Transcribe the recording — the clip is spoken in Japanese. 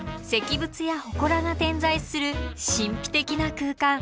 仏や祠が点在する神秘的な空間。